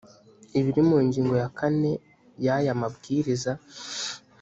ibiri mu ngingo ya kane y aya mabwiriza